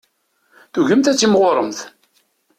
Tugimt ad timɣuremt.